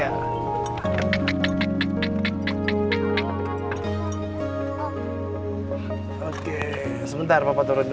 oke sebentar papa turun dulu ya